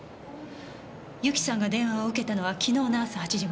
由紀さんが電話を受けたのは昨日の朝８時頃。